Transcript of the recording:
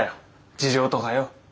事情とかよ。